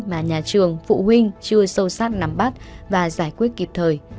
mà nhà trường phụ huynh chưa sâu sát nắm bắt và giải quyết kịp thời